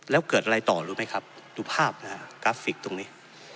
แล้วเกิดอะไรต่อรู้ไหมครับดูภาพนะฮะกราฟิกตรงนี้